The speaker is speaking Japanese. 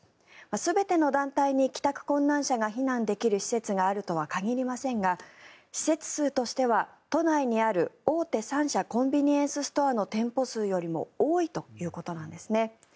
全ての団体に帰宅困難者が避難できる施設があるとは限りませんが施設数としては都内にある大手３社コンビニエンスストアの店舗数よりも多いということなんです。